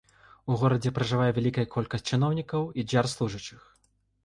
У горадзе пражывае вялікая колькасць чыноўнікаў і дзяржслужачых.